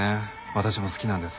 私も好きなんです。